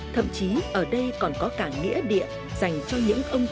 thậm chí ở đây còn có cả nghĩa địa dành cho những ông